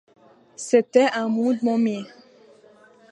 C’était un monde momie.